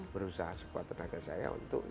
berusaha sekuat tenaga saya untuk